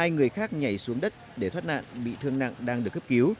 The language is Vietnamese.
hai người khác nhảy xuống đất để thoát nạn bị thương nặng đang được cấp cứu